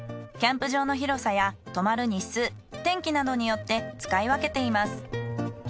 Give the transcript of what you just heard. キャンプ場の広さや泊まる日数天気などによって使い分けています。